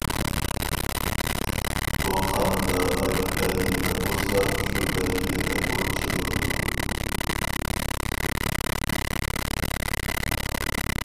بۇ قانۇندا ئايرىم بەلگىلىمە بولسا، شۇ بەلگىلىمە بويىچە بولىدۇ.